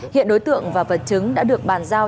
hiện đối tượng và vật chứng đã được bàn giao